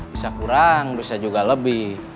bisa kurang bisa juga lebih